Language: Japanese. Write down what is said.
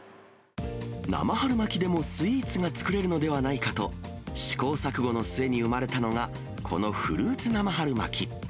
生春巻きでもスイーツが作れるのではないかと、試行錯誤の末に生まれたのが、このフルーツ生春巻き。